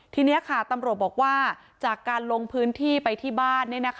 ทีนี้ค่ะตำรวจบอกว่าจากการลงพื้นที่ไปที่บ้าน